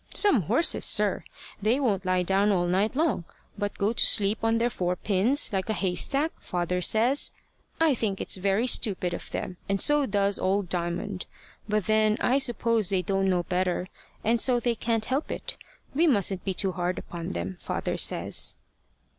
Some horses, sir! they won't lie down all night long, but go to sleep on their four pins, like a haystack, father says. I think it's very stupid of them, and so does old Diamond. But then I suppose they don't know better, and so they can't help it. We mustn't be too hard upon them, father says."